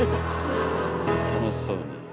楽しそうに。